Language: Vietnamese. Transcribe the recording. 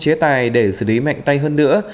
chế tài để xử lý mạnh tay hơn nữa